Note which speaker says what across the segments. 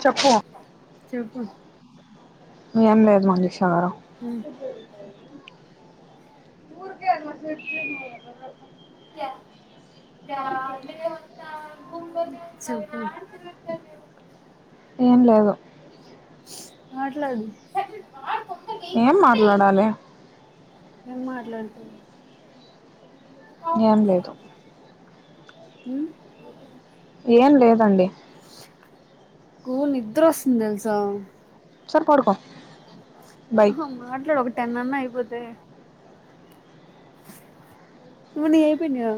Speaker 1: చెప్పు
Speaker 2: చెప్పు
Speaker 1: ఎం లేదు మంగ [unintelligible] చార
Speaker 2: ఉ
Speaker 1: [unintelligible] ఏం లేదు
Speaker 2: [unintelligible] మాట్లాడు
Speaker 1: ఏం మాట్లాడాలి
Speaker 2: ఏం మాట్లాడతవ్
Speaker 1: ఏం లేదు
Speaker 2: అ
Speaker 1: ఏం లేదండి
Speaker 2: కూ నిద్రొస్తుంది దేలుసా
Speaker 1: సార్ పడుకో బై
Speaker 2: అహ్హ మాట్లాడు ఒక టెన్నన్న అయిపోతే. ఇప్పుడు నీవైపొనయ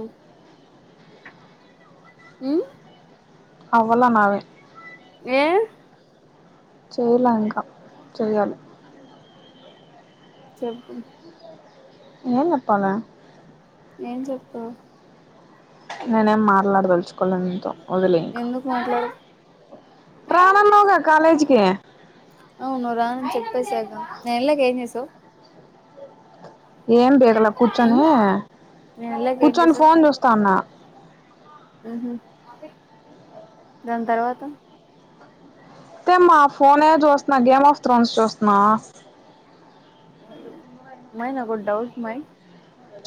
Speaker 2: అ
Speaker 1: అవ్వలా నావి
Speaker 2: ఏ
Speaker 1: చేయల ఇంకా చెయ్యాలి
Speaker 2: చెప్పు
Speaker 1: ఏంజెప్పాల
Speaker 2: ఏం చెప్పు
Speaker 1: నేనేం మాట్లాడదల్చుకోల నీతో
Speaker 2: ఎందుకు మాట్లాడవు
Speaker 1: రానానావుగా కాలేజికి
Speaker 2: అవును నువ్వు రానని చెప్పేసాగా ఎల్లకేంస్తావ్
Speaker 1: ఏం! ! ! ! ! ! ! ! ! ! కూర్చొని
Speaker 2: నేను వెళ్ళాక
Speaker 1: కూర్చొని ఫోన్ చూస్తాన్నా
Speaker 2: ఉహూ దాని తర్వాత
Speaker 1: [unintelligible] మా ఫోనే ఏ చూస్తున్నా గేమ్ ఆఫ్ త్రోన్స్ చూస్తన్నా
Speaker 2: మై నాగో డౌట్ మై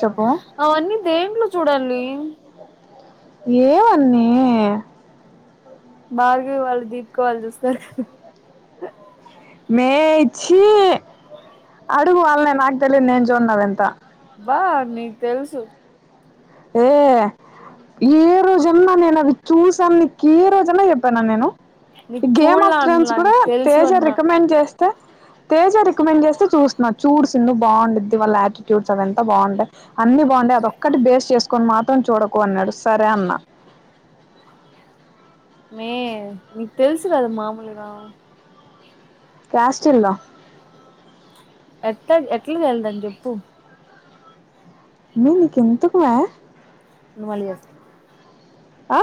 Speaker 1: చెప్పు
Speaker 2: అవన్నీ దేంట్లో చుడండి
Speaker 1: ఏవన్నీ
Speaker 2: భార్గవి వాళ్ళు దీపికవాల్లు చూస్తారుగ
Speaker 1: మే చ్చి అడుగు వాళ్నే నాక్ తెలిదు నేను జున్ అదంతా
Speaker 2: బాగ్ నీక్ తెలుసు
Speaker 1: ఏ ఏరోజన్నా నేను అవి చూసానని నీకు కిరోజన్నా చెప్పాన నేను ఈ
Speaker 2: నీకు
Speaker 1: గేమ్
Speaker 2: చూడలా
Speaker 1: ఆఫ్ ఫ్రెండ్స్
Speaker 2: అన్లా
Speaker 1: కూడా
Speaker 2: నీకు తెలుసు
Speaker 1: తేజ
Speaker 2: అన్నా
Speaker 1: రికమెండ్ చేస్ తేజ రికమెండ్ చేస్తే చూస్తున్నా. చూడు సిందూ బాగుండుద్ది, వాళ్ళ యాటిట్యూడ్స్ అవి అంత బావుంటాయి. అన్ని బాగుడై అదొక్కటి బేస్ చేసుకొని మాత్రం చూడకు అన్యడు సరే అన్నా
Speaker 2: మే నీకు తెలుసుగద మాముల్గా
Speaker 1: క్యాస్ట్ంద
Speaker 2: ఎట్లా ఎట్లకి వెళ్ళదాం చెప్పు
Speaker 1: నీకెందుకమే
Speaker 2: ఉమళస్త [unintelligible]
Speaker 1: ఆ